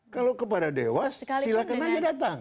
kalau kepada dewas silahkan aja datang